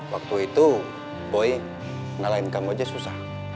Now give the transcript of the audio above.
waktu itu boy ngalain kamu aja susah